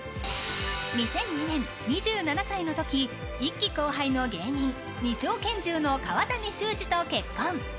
２００２年、２７歳の時１期後輩の芸人２丁拳銃の川谷修士と結婚。